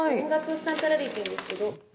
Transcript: スタンプラリーっていうんですけど。